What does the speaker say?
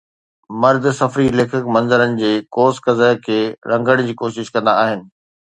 مرد سفري ليکڪ منظرن جي قوس قزح کي رنگڻ جي ڪوشش ڪندا آهن